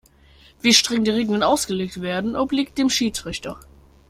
Wie streng die Regeln ausgelegt werden, obliegt dem Schiedsrichter.